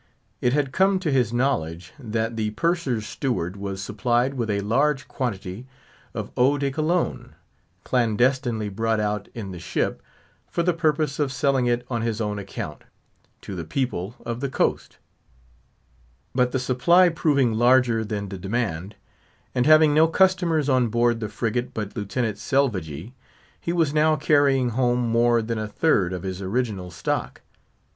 It had come to his knowledge that the purser's steward was supplied with a large quantity of Eau de Cologne, clandestinely brought out in the ship, for the purpose of selling it on his own account, to the people of the coast; but the supply proving larger than the demand, and having no customers on board the frigate but Lieutenant Selvagee, he was now carrying home more than a third of his original stock.